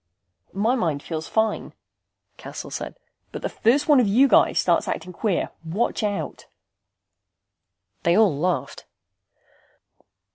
"My mind feels fine," Cassel said. "But the first one of you guys starts acting queer watch out." They all laughed.